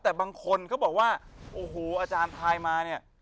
แต่บางคนเขาบอกว่าโอ้โหอาจารย์ทายมาเนี่ย